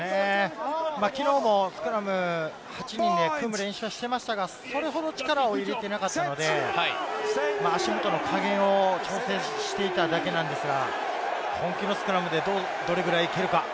昨日もスクラム８人で組む練習はしていましたが、それほど力を入れていなかったので、足元の加減を調整していただけなんですが、本気のスクラムでどれくらい行けるか。